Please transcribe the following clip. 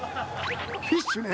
フィッシュね。